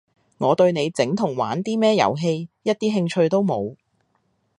我對你整同玩啲咩遊戲一啲興趣都冇